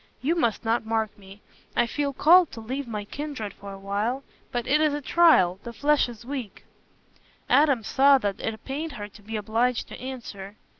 You must not mark me. I feel called to leave my kindred for a while; but it is a trial—the flesh is weak." Adam saw that it pained her to be obliged to answer.